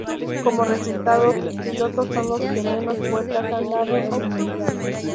Como resultado, sus pilotos son los que menos vueltas han dado en el mundial.